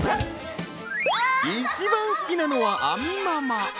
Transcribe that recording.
一番好きなのは亜美ママ。